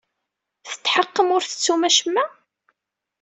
Tetḥeqqem ur tettum acemma?